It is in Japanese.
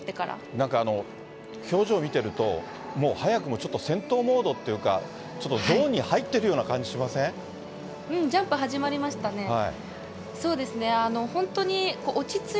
なんか、表情見てると、早くもちょっと、戦闘モードというか、ちょっとゾーンに入っているような感じしまうん、ジャンプ始まりましたね。